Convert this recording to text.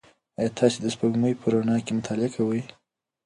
ایا تاسي د سپوږمۍ په رڼا کې مطالعه کوئ؟